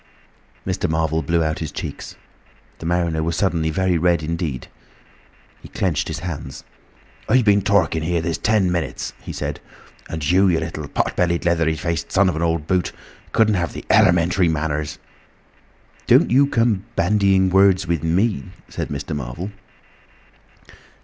Mr. Marvel blew out his cheeks. The mariner was suddenly very red indeed; he clenched his hands. "I been talking here this ten minutes," he said; "and you, you little pot bellied, leathery faced son of an old boot, couldn't have the elementary manners—" "Don't you come bandying words with me," said Mr. Marvel.